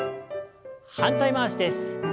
反対回しです。